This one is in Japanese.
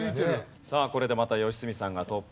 さあこれでまた良純さんがトップ。